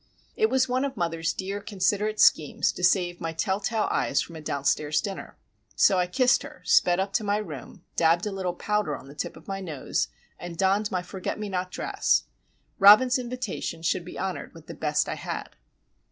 It was one of mother's dear, considerate schemes to save my tell tale eyes from a downstairs dinner. So I kissed her, sped up to my room, dabbed a little powder on the tip of my nose, and donned my forget me not dress. Robin's invitation should be honoured with the best I had.